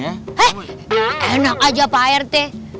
eh enak aja pak rt